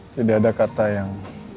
tidak ada kata yang